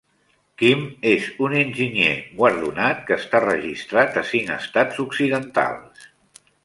Kim és un enginyer guardonat que està registrat a cinc estats occidentals.